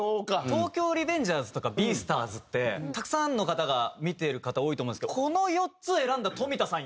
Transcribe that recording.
『東京リベンジャーズ』とか『ＢＥＡＳＴＡＲＳ』ってたくさんの方が見てる方多いと思うんですけどこの４つを選んだ冨田さん